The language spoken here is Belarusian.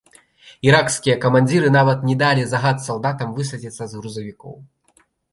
Іракскія камандзіры нават не далі загад салдатам высадзіцца з грузавікоў.